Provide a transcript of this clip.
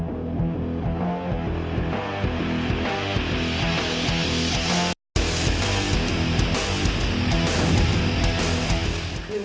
สวัสดีครับผมช่วยดูตัวเนี้ย